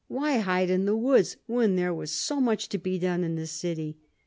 Why hide in the woods when there was so much to be done in the city?